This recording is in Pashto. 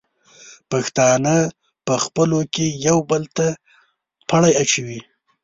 پښتانه په خپلو کې یو بل ته پړی اچوي.